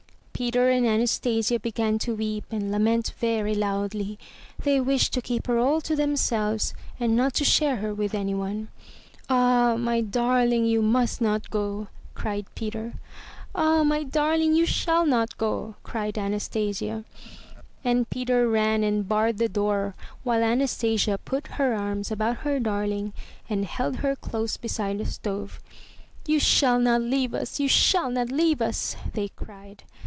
Peter and Anastasia began to weep and lament very loudly. They wished to keep her all to themselves and not to share her with anyone. ''Ah, my darling, you must not go!" cried Peter. "Ah, my darling, you shall not go!" cried Anastasia. 234 UP ONE PAIR OF STAIRS And Peter ran and barred the door while Anastasia put her arms about her darUng and held her close beside the stove. ''You shall not leave us! You shall not leave us!'' they cried.